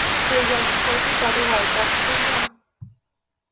Uyarisqaykita ruray, kasukuyyá